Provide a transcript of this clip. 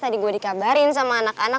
tadi gue dikabarin sama anak anak